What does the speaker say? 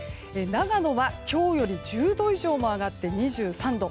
長野は今日より１０度以上も上がって２３度。